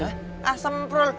loh ah semprul